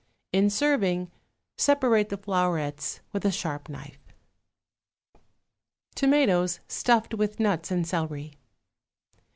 In serving, separate the flowerets with a sharp knife. =Tomatoes Stuffed with Nuts and Celery.